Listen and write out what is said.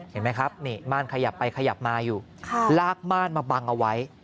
เห็นไหมครับนี่ม่านขยับไปขยับมาอยู่ลากม่านมาบังเอาไว้